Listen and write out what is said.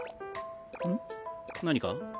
ん？何か？